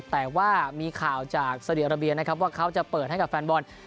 แต่ว่ามีข่าวจากซาดีอาราเบียนะครับว่าเขาจะเปิดให้กับแฟนบอล